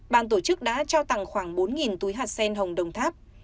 ban tổ chức đã trao tặng khoảng bốn túi hạt sen hồng đồng tháp